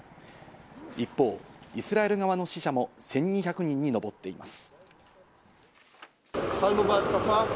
一方、イスラエル側の死者も１２００人にのぼっています。